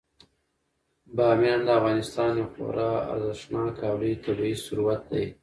بامیان د افغانستان یو خورا ارزښتناک او لوی طبعي ثروت دی.